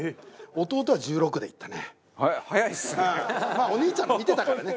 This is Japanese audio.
まあお兄ちゃんのを見てたからね。